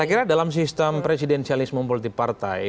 saya kira dalam sistem presidensialisme multipartai